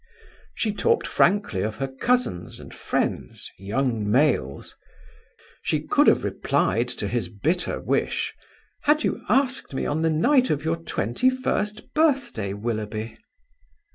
She talked frankly of her cousins and friends, young males. She could have replied to his bitter wish: "Had you asked me on the night of your twenty first birthday, Willoughby!"